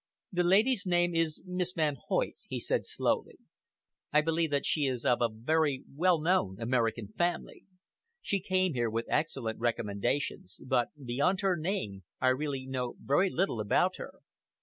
"The lady's name is Miss Van Hoyt," he said slowly. "I believe that she is of a very well known American family. She came here with excellent recommendations; but, beyond her name, I really know very little about her.